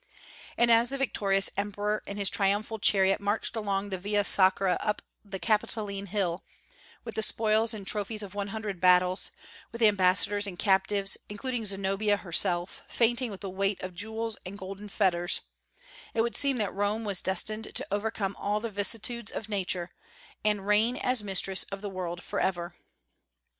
And as the victorious emperor in his triumphal chariot marched along the Via Sacra up the Capitoline hill, with the spoils and trophies of one hundred battles, with ambassadors and captives, including Zenobia herself, fainting with the weight of jewels and golden fetters, it would seem that Rome was destined to overcome all the vicissitudes of Nature, and reign as mistress of the world forever.